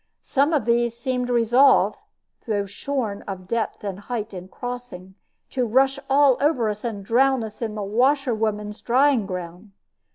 Some of these seemed resolved (though shorn of depth and height in crossing) to rush all over us and drown us in the washer women's drying ground.